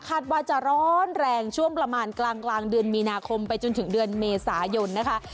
ว่าจะร้อนแรงช่วงประมาณกลางเดือนมีนาคมไปจนถึงเดือนเมษายนนะคะ